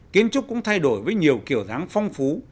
kiến trúc cũng thay đổi với nhiều kiểu dáng phong phú